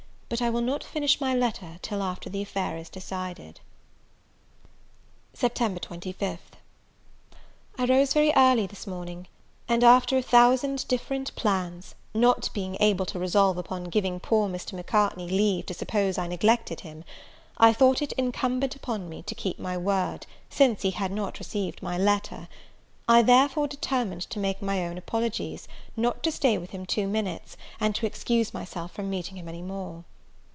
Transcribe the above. But I will not finish my letter till the affair is decided. Sept. 25th. I rose very early this morning; and, after a thousand different plans, not being able to resolve upon giving poor Mr. Macartney leave to suppose I neglected him, I thought it incumbent upon me to keep my word, since he had not received my letter; I therefore determined to make my own apologies, not to stay with him two minutes, and to excuse myself from meeting him any more.